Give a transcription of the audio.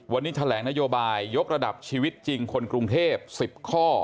วันนี้แถลงนโยบายยกระดับชีวิตจริงคนกรุงเทพ๑๐ข้อ